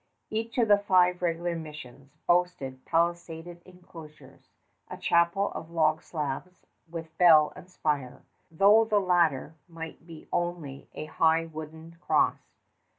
Each of the five regular missions boasted palisaded inclosures, a chapel of log slabs with bell and spire, though the latter might be only a high wooden cross.